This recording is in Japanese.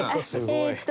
えっと。